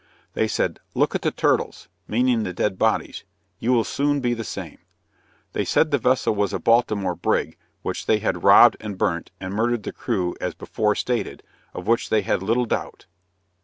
They said "look at the turtles (meaning the dead bodies) you will soon be the same." They said the vessel was a Baltimore brig, which they had robbed and burnt, and murdered the crew as before stated, of which they had little doubt.